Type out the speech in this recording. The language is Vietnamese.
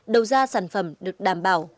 đầu ra sản phẩm được đảm bảo